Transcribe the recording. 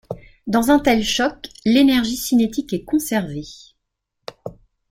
Dans un tel choc, l'énergie cinétique est conservée.